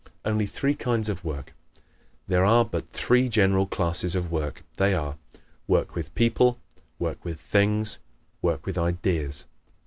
Only Three Kinds of Work ¶ There are but three general classes of work. They are: WORK WITH PEOPLE; WORK WITH THINGS; WORK WITH IDEAS.